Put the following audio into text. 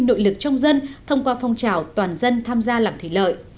nội lực trong dân thông qua phong trào toàn dân tham gia làm thủy lợi